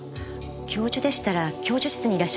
教授でしたら教授室にいらっしゃると思います。